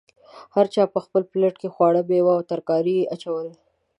هر چا په خپل پلیټ کې خواړه، میوه او ترکاري اچول.